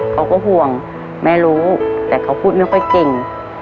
เขาก็ห่วงแม่รู้แต่เขาพูดไม่ค่อยเก่ง